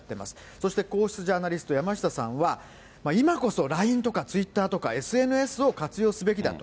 そして皇室ジャーナリスト、山下さんは、今こそＬＩＮＥとか、ツイッターとかＳＮＳを活用すべきだと。